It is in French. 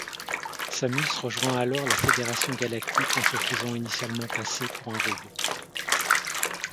Samus rejoint alors la Fédération galactique en se faisant initialement passer pour un robot.